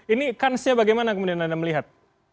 ini kansnya bagaimana kemudian anda melihat